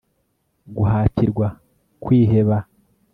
guhatirwa kwiheba